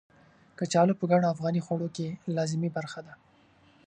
کچالو په ګڼو افغاني خوړو کې لازمي برخه ده.